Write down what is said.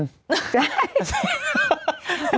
ใช่